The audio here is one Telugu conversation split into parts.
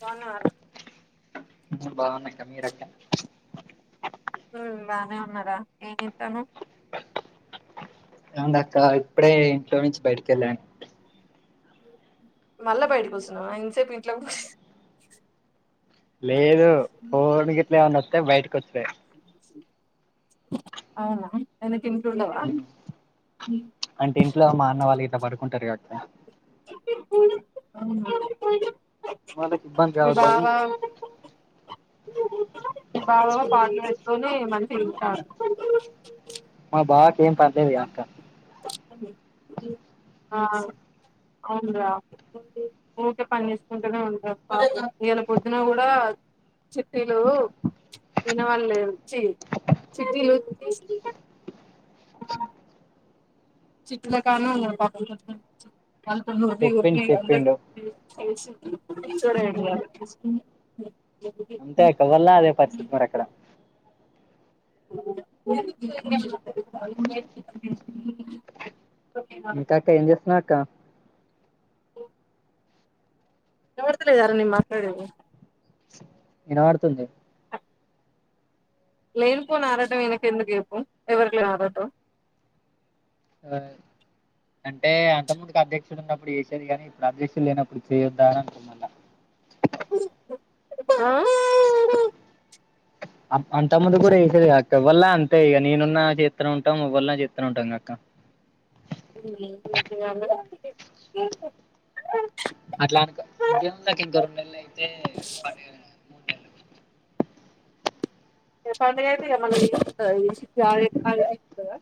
బాగున్నరా [unintelligible] బాగున్నక్క మీరక్క ఉమ్ బానే ఉన్నరా ఏం చేత్తన్నవ్ ఏముందక్క ఇప్పుడే ఇంట్లో నుంచి బయటకెళ్ళాను మళ్ళా బయటకు వచినవా ఇంతసేపు ఇంట్లో ప లేదు ఫోన్ గిట్ల ఏమన్న వస్తే బయటకి వచ్చడే అవునా ఎందు అంటే ఇంట్లో మా అన్న వాళ్ళు గిట్ల పడుకుంటరు గదక్క అందు వాళ్ళకి ఇబ్బంది కావద్దని మీ బావ ఏమో పాటలూ పెట్టుకొని మంచిగ తిరుగుతండు మా బావ కేం పన్లేద్గాక్క ఆ అవునురా ఊకే పని చేసుకుంటనే ఉంటాడు పాపం ఇయల పొద్దున కూడా చిట్టీలూ విన వాళ్ళు చి చిట్టులూ తీస్ చిట్టీల కాడ్న్నే ఉన్నాడు పాపం పొద్దట్నుంచి వాళ్ళతోనీ ఓరీ చెప్పిండు ఓరి చెప్పిండు అందరికి [unintelligible] పిచ్చోడు అయిండు ఇయల అంతే అక్క ఎవళ్ళున్న అదే పరిస్థితి మరి ఎక్కడ [unintelligible] ఇంక అక్క ఏం జేతున్నావ్ అక్క ఓ వినబడతలేదారా నేను మాట్లాడేది ఇనవడుతుంది లేనిపోనారటం ఈయనకు ఎందుకు చెప్పు ఎవరికి లేని ఆరాటం ఆ అంటే అంత ముందుకు అధ్యక్షుడు ఉన్నప్పుడు చేసేది కాని ఇప్పుడు అధ్యక్షుడు లేనప్పుడు చేయొద్దా అని అంటర్ మల్ల ఆ అంత ముందు కూడా వేసేది అక్క ఎవళ్ళున్న అంతే ఇగ నేనున్న చెత్తనే ఉంటం ఎవళ్ళున్న చెత్తనే ఉంటాం గా అక్క అట్లా అనుకో ఇంకేం ఉందక్క ఇంకా రెండు నెల్లు అయితే పండుగే గా ఇగ పండుగైతే ఇగ మల్లా ఈ [unintelligible] చిట్టి ఆగేది ఉండదా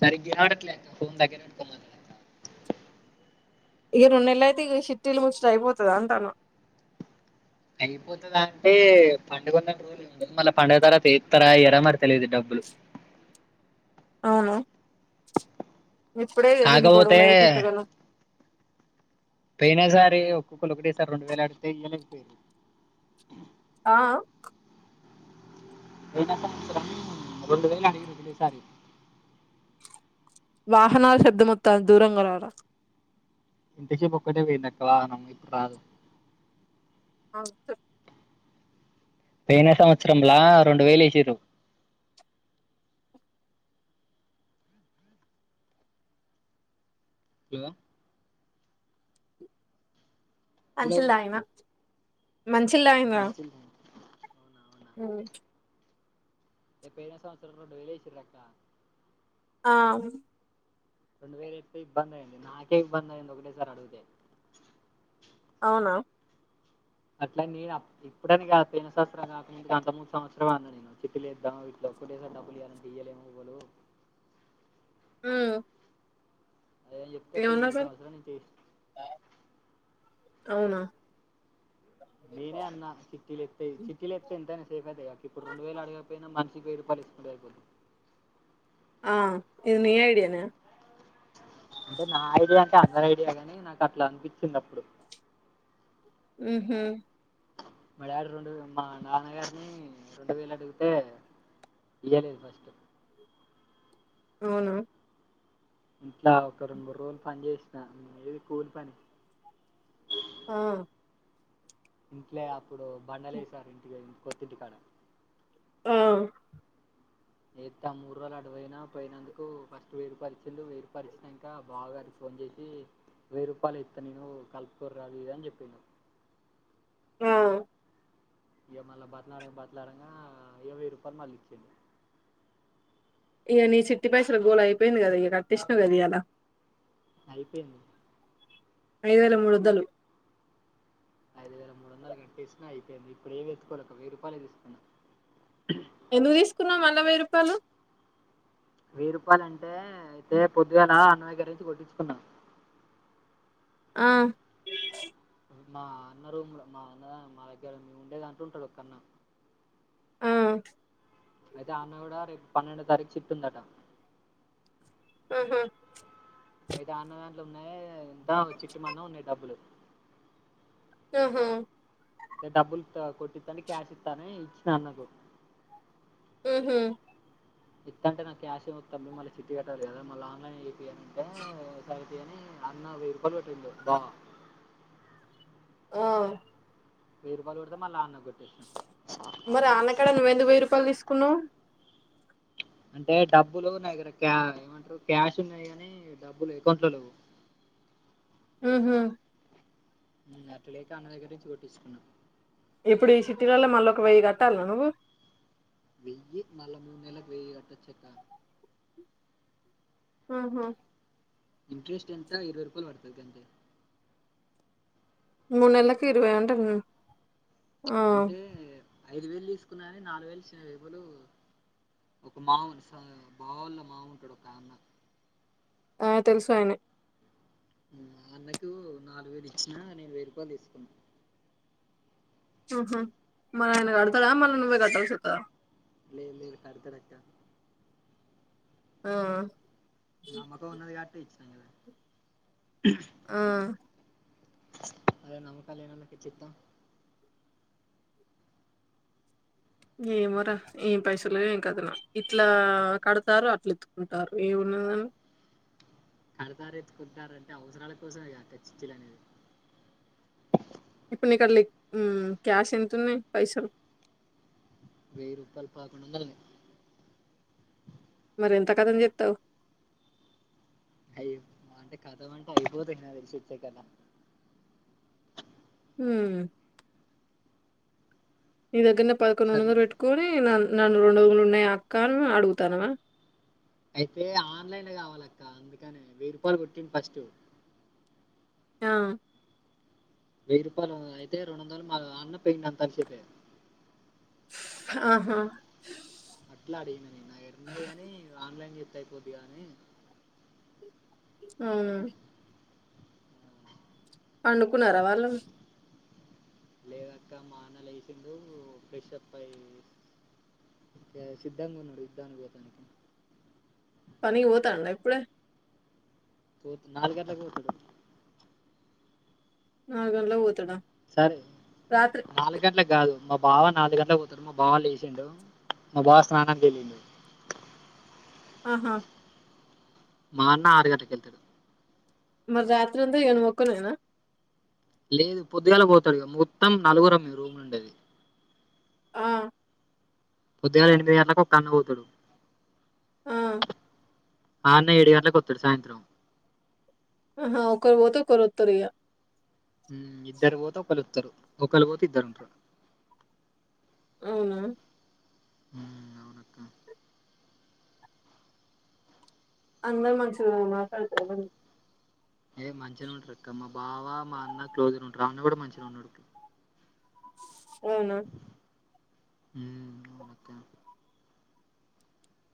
సరిగ్గా ఇనవడట్లే అక్క ఫోన్ దగ్గర వెట్టుకొని మాట్లాడక్క ఇక రెండు నెల్లు అయితే ఇక షట్టిలు ముచ్చట అయిపోతదా అంటానా అయిపోతుందా అంటే పండుగొన్న రోజులు ఉండదు మళ్ళ పండగ తరవాత ఏత్తర ఏయ్యారా మరి తెలియదు డబ్ బలు అవును ఇప్పుడే ఇన్నిన్నీ కాకపోతే గొడవలు అయి గింతగనం పోయినసారి ఒక్కొక్కరు ఒకటెసారి రెండు వేల ఆడితే ఇయలేకపోయరు ఆ ఆ పోయిన సంవత్సరం రెండు వేలడిగింరు పోయినసారి వాహనాల శబ్దమొత్తంది దూరంగా రా రా ఇంతషేపూ ఒక్కటే పోయింది అక్క వాహనం కారు అవు చే పోయినా సంవత్సరంలా రెండు వేలు ఇచ్చిరూ లో హలో మంచిల్ల్దాగిన మంచిల్దగిన్రా మంచి, హ్మ్ పోయిన సంవత్సరం రెండు వేలు ఏసీన్రక్కా ఆ రెండు వేల ఎత్తే ఇబ్బంది అయింది నాకే ఇబ్బంది అయింది ఒకటేసారి అడుగుతే అవునా అట్లానీ నేను ఇప్పుడని కాదు పోయిన సంవత్సరం కాక ముందు అంత ముందు సంవత్సరం అన్నా నేను చిట్టిలేద్దాం వీట్లో ఒకటేసారి డబ్బులియాలంటే ఇయాలెం ఏవ్వాలు ఉహ్ అదే చెప్తే పోయి ఈ సంవత్సరం నుంచి ఎస్ అవునా నేనే అన్నా చిట్టీలేతె చిట్టీలేతే ఎంతైనా సేఫ్ అయితద్ గ అక్క ఇప్పుడు రెండు వేలు అడుగకపోయినా మన్ వెయ్యి రూపాయల్ తీసుకుంటే అయిపోద్ది ఆ ఇది ని ఐడియనా అంటే నా ఐడియా అంటే అందరి ఐడియా గాని నాకు అట్లా అనిపించింది అప్పుడు మ్ హు మ డాడీ రెండు మా నాన్నగారిని రెండు వేయిలు అడిగితే ఇయ్యలేదు ఫస్ట్ అవునా ఇట్లా ఒక రెండు మూడు రోజులు పని చేసినా ఏది కూలి పని ఆ ఇంట్లే అప్పుడు బండలేసాను ఇంటికి కొత్తింటికాడ ఆ ఎతె ఆ మూడు రోజులు అటుపోయిన పోయినందుకు ఫస్ట్ వేయ్యి రూపాలు ఇచ్చిండు ఇచ్చినంక బావ గారి కో ఫోన్ చేసి వెయ్యి రూపాయలే ఇస్తా నేను కలుపుకోర్రి అది ఇది అని చెప్పిండు ఆా ఇగ మళ్ళ బతిలాడంగా బతిలాడంగా ఇగ వెయ్యి రూపాయలు మళ్ళ ఇచ్చిండు ఇగ నీ చిట్టి పైసలు గోళ అయిపోయింది కదా ఇగ కట్టేసినవ్ కదా ఇయ్యలా అయిపోయింది ఐదు వేల మూడోంద్దలు ఐదు వేల మూడు వందలు కట్టేసిన అయిపోయింది ఇప్పుడేమీ ఏత్తుకోలే ఒక వెయ్యి రూపాయలే తికున్నా ఎందుకు తీసుకున్నావ్ మళ్ళ వెయ్యి రూపాయలు వెయ్యి రూపాయలు అంటే అయితే పొద్దుగల అన్న దగ్గరి నుంచి కొట్టించుకున్నా ఆ మా అన్న రుమ్ ల మా అన్న ద మా దగ్గర మీముండే దాంట్లే ఉంటాడు ఒకన్నా ఆ అయితే ఆ అన్న కూడా రేపు పన్నెండో తారీఖు చిట్టి ఉందట మ్ హా అయితే అన్నదాంట్ల ఉన్నాయే ఎంతా చిట్టి మందం ఉన్నాయ్ డబ్బులు ఆహా డబ్బులు కొట్టిత్తని క్యాష్ ఇత్త అని ఇచ్చినా అన్నకు మ్ హు ఇత్తంటే నాకు క్యాష్ ఏమొద్దు తమ్మీ మళ్ళీ చిట్టి కట్టాలి కదా మళ్ళీ ఆన్లైన్ ఏ చేపియ్యి అంటే సరే అని అన్న వెయ్యి రూపాలు కొట్టిండు బావ ఆ వెయ్యి రూపాలు కొడితే మళ్ళ ఆ అన్న కో మరి ఆ అన్నకాడ నువ్వు ఎందుకు వెయ్యి రూపాయలు తీసుకున్నావ్ అంటే డబ్బులు నాదగ్గర దగర క్యా ఏమంటారు క్యాష్ ఉన్నాయ్ గానీ డబ్బులు అకౌంట్ లో లేవు అ హ అట్లలేక అన్న దగ్గర నుంచి కోట్టిచ్చుకున్నా ఇప్పుడు ఈ చిట్టీలల్ల మళ్ళీఒక వెయ్యి కట్టాల్నా నువ్వు వెయ్యి మళ్ళ ముడు నెల్లకు వెయ్యి కట్టొచక్క ఆహా ఇంట్రెస్ట్ ఎంత ఇరవై రూపాయలు పడుతది గంతే మూడు నెల్లకు ఇరవై అంటే ఆ అంటే ఐదు వేలు తీసుకున్నా గాని నాలుగు వేయిలు చి ఎవలు ఒక మావున్ స్ బావోళ్ళ మావుంటడు ఒక అన్న ఆ తెలుసు అయినే అన్నకు నాలుగు వేలు ఇచ్చిన నేను వెయ్యి రూపాయలు తీసుకున్నా ఆహా మరి ఆయన కడతాడా ఉమ్, మళ్లీ నువ్వే కట్టాల్సి వస్తదా లేదు లేదు కడతాడక్క ఆ నమ్మకం ఉన్నది కాబట్టే ఇచ్చ ఆ అదే నమ్మకం లేనోళ్లకు ఎట్లితం ఏమోరా ఏం పైసలు ఏం కదనా ఇట్లా కడతారు అట్లా ఇత్తుకుంటారు ఏ అ కడతార ఎత్తుకుంటారంటే అవసరాల కోసమే కదా చిట్టీలు అనేది ఇప్పుడు నీకు అట్లా క్యాష్ ఎంతన్నాయి పైసలు వెయ్యి రూపాలు పదకొండు వందలు ఉనాయి మరి ఎంత కథం చేత్తవు అయ్యో మా అంటే కథం అంటే అయిపోతు నాకు తెలిసి వచ్చా కదా ఉం నీ దగ్గరనే పదకొండు సరే వందలు పెట్టుకొని నన్న నన్ను రెండు వందలు ఉన్నాయా అక్కాను అడుగుతానవా అయితే ఆన్లైన్ కావాలక్క అందుకనే వెయ్యి రూపాయలు కొట్టిండు ఫస్ట్ ఆ వెయ్యి రూపాయలు అయితే రెండు వందలు మా అన్న పెయింది అంతల్ సేపే ఆహా అట్లా అడిగిన నేను నా దగ్గరరున్నాయి కానీ ఆన్లైన్ చేత్త అయిపోద్ కానీ అవునా పండుకున్నారా వాళ్ళు లేదక్క మా అన్న లేసిండు ఫ్రెష్ అప్ అయ్యి సిద్ధంగా ఉన్నాడు యుద్ధానికి పోతనికి పనికి పోతాండా ఇప్పుడే పోత నాలుగు గంటలకు పోతాడు నాాలుగంలకు ఓతాడా సరే నాలుగు గంటల కాదు మా బావ నాలుగు గంటలకు పోతడు మా బావా లే మా బావ స్నానంకి వెళ్ళిండు ఆహా మా అన్న ఆరు గంటలకు ఎళ్తాడు మరి రాత్రంతా నువ్వు ఒక్కనివేనా లేదు పొద్దుగాల పోతాడు మొత్తం నలుగురము మీ మేము రూమ్ ల నుండేది ఆ పొద్దుగాల్ల ఎనిమిది గళ్లకు ఒక అన్న పోతాడు ఆ ఆ అన్న ఏడు గంటలకి వతడు సాయంత్రం ఆహా ఒకరి పోతే ఒకరు అత్తరు ఇగ ఇద్దరు పోతే ఒకళ వస్తరు ఒకళ పోతే ఇద్దరు ఉంటారు అవునా ఆ అవునక్క అందరూ మంచిగా మాట్లాడుతరా మరి ఏ మంచిగా ఉంటారు అక్క మా బావ మా అన్న క్లోజ్గా ఉంటారు అన్న కూడా మంచిగా ఉన్నాడుక్క అవునా ఉమ్ అవునక్కా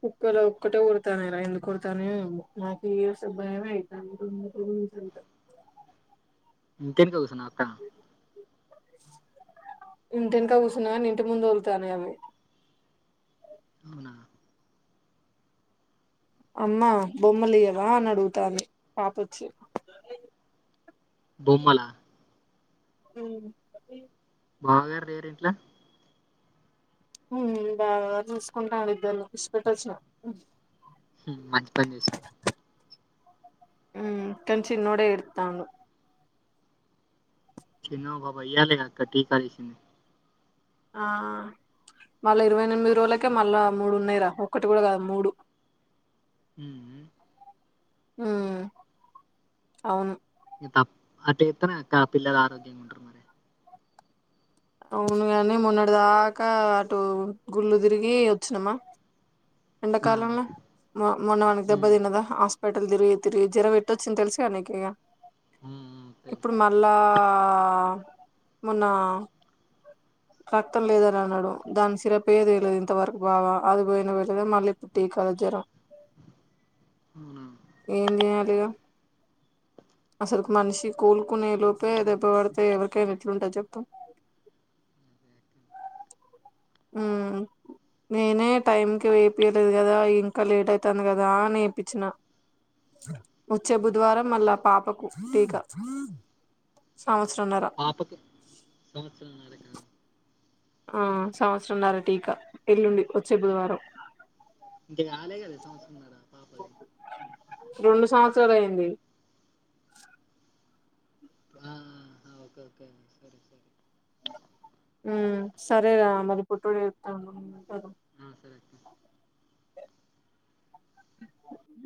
కుక్కలు ఒక్కటే ఓర్తాన్ని రా ఎందుకు ఓరుతన్నయ్య ఏమో నాకు ఈ భయమే అయితాంది సంట ఇంటెనక కూసున్నవాకా ఇంటెకా కూర్చున్నా కాని ఇంటి ముందు ఓర్తాతానే అవి అవునా అమ్మా బొమ్మలియవా అని అడుగుతాంధి పాపోచ్చీ బొమ్మలా ఉం బావ గారు లేరా ఇంట్లో ఉం బాగా చూసుకుంటారు ఇద్దరు ఇడిసి పెట్టి వచ్చినం ఉం మంచి పని చేసా ఉం కానీ చిన్నోడే ఎడుత్తా వుండు చిన్న బబాయ్యాల కాక్కటిటీకాసి [unintelligible] ఆ మళ్ళా ఇరవై ఎనిమిది రోజులకే మళ్ళా మూడు ఉన్నాయిరా ఒటి కూడా కాదు మూడు ఉం ఉం ఉం అవును త అట్తనేక్క పిల్లలు ఆరోగ్యంగా ఉంటారు మరి [unintelligible] అవునుగాని మొన్నటి దాకా అటు గుళ్ళు తిరిగి వచ్చినమా ఆ, ఎండాకాలంలో మ మొన్న వడ దెబ్బ ఉమ్, తిన్నదా హా హాస్పిటల్ తిరిగి తిరిగి జరం ఎట్టోచిందో తెలిసిగా నీకు ఇగ ఉమ్, ఉమ్, తెలుసు ఇప్పుడు మళ్ళా ఆ మొన్న రక్తం లేదని అన్నాడు దాని సిరప్ ఏది వేయలేదు ఇంతవరకు బాగా అది పోయిన వళ్లేదు మళ్ళీప్పుడు టీకా జరం అవునా ఏం చేయాలిగ అసలుకు మనిషి కోలుకునే లోపే దెబ్బ పడితే ఎవరికైనా ఎట్లుంటది చెప్పు ఉమ్ నేనే టైంకి వేపియలేదు కదా ఇంకా లేట్ అయితాంది కదా అని ఏపిచ్చిన వచ్చే ఉమ్. బుధవారం మళ్లా పాపకు టీకా సంవత్సరంన్నర పాపకు సంవత్సరం నరే ఆ సంవత్సరంన్నర టీకా ఎల్లుండి వచ్చే బుధవారం ఇంకా రాలే కదా సంవత్సరంన్నర పాపది రెండు సంవత్సరాలు అయింది ఆ ఓకే ఓకే సరే సరే ఉం సరే రా మరి బుడ్డోడు ఎడుతాండు ఆ సరే అక్క [unintelligible]